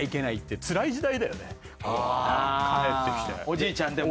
おじいちゃんでも。